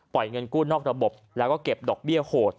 เงินกู้นอกระบบแล้วก็เก็บดอกเบี้ยโหด